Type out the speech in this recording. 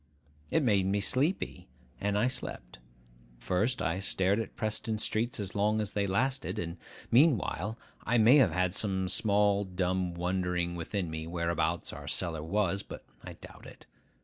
It made me sleepy, and I slept. First, I stared at Preston streets as long as they lasted; and, meanwhile, I may have had some small dumb wondering within me whereabouts our cellar was; but I doubt it.